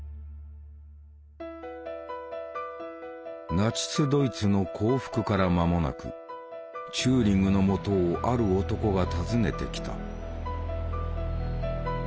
ナチス・ドイツの降伏から間もなくチューリングのもとをある男が訪ねてきた。